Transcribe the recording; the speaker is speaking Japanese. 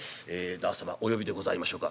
「旦様お呼びでございましょうか？」。